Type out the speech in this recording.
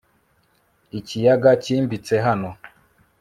ikiyaga cyimbitse hano